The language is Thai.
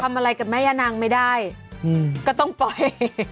อะไรกับแม่ย่านางไม่ได้ก็ต้องปล่อย